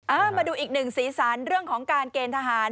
มาดูอีกหนึ่งสีสันเรื่องของการเกณฑ์ทหาร